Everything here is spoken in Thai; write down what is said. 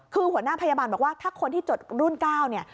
คือหัวหน้าพยาบาลบอกว่าถ้าคนที่จดรุ่น๙เนี่ย